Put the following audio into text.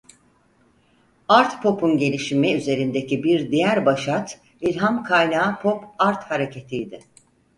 Art pop'un gelişimi üzerindeki bir diğer başat ilham kaynağı Pop art hareketiydi.